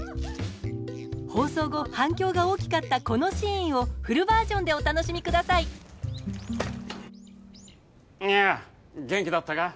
放送後反響が大きかったこのシーンをフルバージョンでお楽しみ下さいやあ元気だったか？